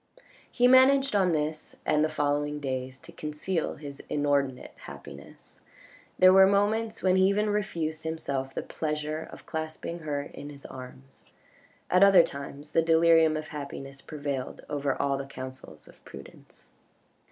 He managed on this and the following days to conceal his inordinate happiness. There were moments when he even refused himself the pleasure of clasping her in his arms. At other times the delirium of happiness prevailed over all the counsels of prudence.